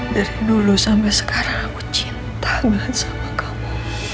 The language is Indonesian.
dari dulu sampai sekarang aku cinta banget sama kamu